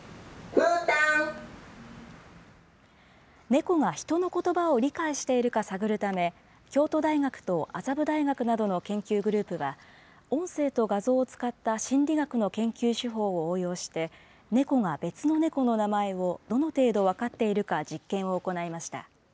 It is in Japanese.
猫が人のことばを理解しているか探るため、京都大学と麻布大学などの研究グループが、音声と画像を使った心理学の研究手法を応用して、猫が別の猫の名前をどの程度分かっているか実験を行いました。